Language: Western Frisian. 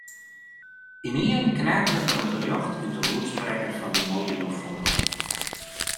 Ynienen knetteret der in berjocht út de lûdsprekker fan de mobilofoan.